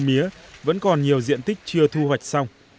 mía vẫn còn nhiều diện tích chưa thu hoạch xong